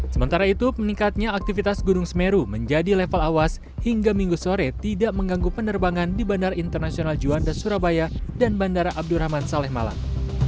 sementara itu meningkatnya aktivitas gunung semeru menjadi level awas hingga minggu sore tidak mengganggu penerbangan di bandara internasional juanda surabaya dan bandara abdurrahman saleh malang